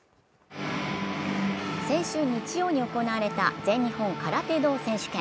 先週日曜に行われた全日本空手道選手権。